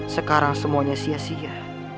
sekarang semuanya sia sia